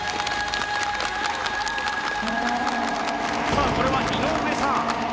さあこれは井上さん。